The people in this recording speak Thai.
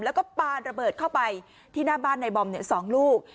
แล้วก็ปานระเบิดเข้าไปที่หน้าบ้านในบอม๒ลูก